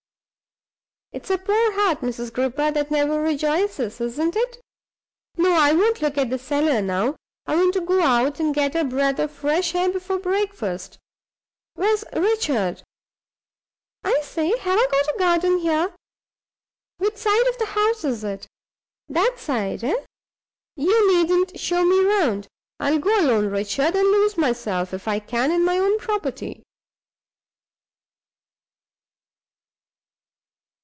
It's a poor heart, Mrs. Gripper, that never rejoices, isn't it? No; I won't look at the cellar now: I want to go out, and get a breath of fresh air before breakfast. Where's Richard? I say, have I got a garden here? Which side of the house is it! That side, eh? You needn't show me round. I'll go alone, Richard, and lose myself, if I can, in my own property."